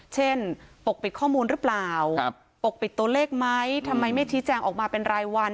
ปกปิดข้อมูลหรือเปล่าปกปิดตัวเลขไหมทำไมไม่ชี้แจงออกมาเป็นรายวัน